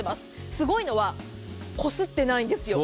すごいのはこすってないんですよ。